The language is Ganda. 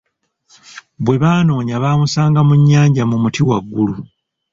Bwe banoonya bamusanga mu nnyanja mu muti waggulu.